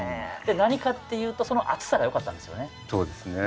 で何かっていうとその熱さがよかったんですよね。